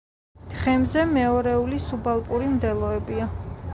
თხემზე მეორეული სუბალპური მდელოებია.